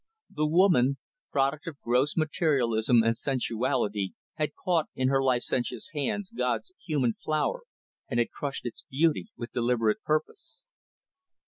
The woman product of gross materialism and sensuality had caught in her licentious hands God's human flower and had crushed its beauty with deliberate purpose.